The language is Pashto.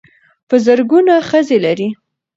په زرګونه ښځې لرلې.